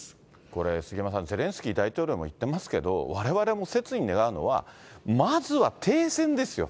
これ、杉山さん、ゼレンスキー大統領も言ってますけど、われわれもせつに願うのは、まずは停戦ですよ。